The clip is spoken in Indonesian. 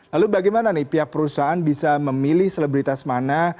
lalu bagaimana nih pihak perusahaan bisa memilih selebritas mana